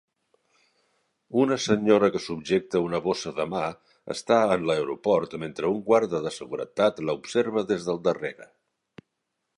Una senyora que subjecte una bossa de mà està en el aeroport mentre un guarda de seguretat la observa des del darrere.